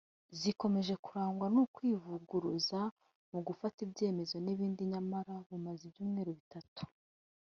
zikomeje kurangwa n’ukwivuguruza mu gufata ibyemezo n’ibindi nyamara bumaze ibyumweru bitatu